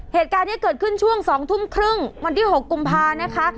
เหตุการณ์นี้เกิดขึ้นช่วง๒ทุ่มครึ่งวันที่๖กุมภานะคะ